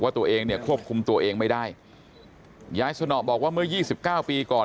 ตัวเองเนี่ยควบคุมตัวเองไม่ได้ยายสนอบอกว่าเมื่อ๒๙ปีก่อน